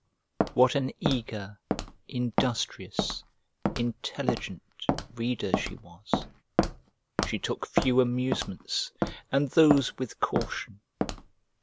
What an eager, industrious, intelligent, reader she was! She took few amusements, and those with caution.